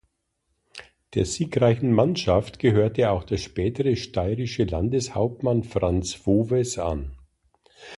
Der siegreichen Mannschaft gehörte auch der spätere steirische Landeshauptmann Franz Voves an.